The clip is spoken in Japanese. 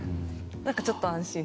何かちょっと安心。